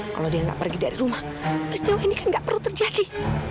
kalau dia nggak pergi dari rumah peristiwa ini kan nggak perlu terjadi